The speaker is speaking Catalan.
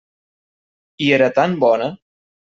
I era tan bona!